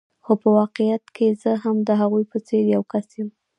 خو په واقعیت کې زه هم د هغوی په څېر یو کس یم.